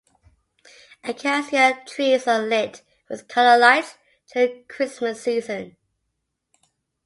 Acacia trees are lit with colored lights during Christmas season.